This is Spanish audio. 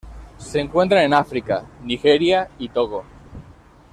Se encuentran en África: Nigeria y Togo.